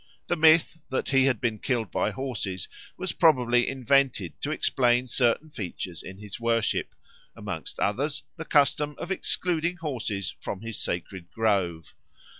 The myth that he had been killed by horses was probably invented to explain certain features in his worship, amongst others the custom of excluding horses from his sacred grove.